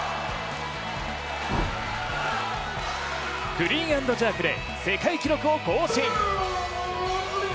クリーン＆ジャークで世界記録を更新。